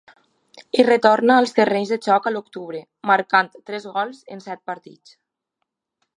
Hi retorna als terrenys de joc a l'octubre, marcant tres gols en set partits.